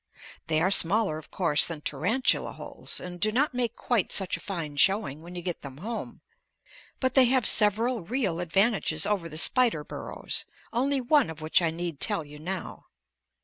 They are smaller of course than tarantula holes and do not make quite such a fine showing when you get them home, but they have several real advantages over the spider burrows, only one of which I need tell you now.